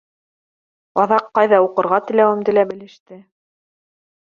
Аҙаҡ ҡайҙа уҡырға теләүемде лә белеште.